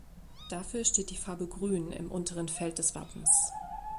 Dafür steht die Farbe Grün im unteren Feld des Wappens.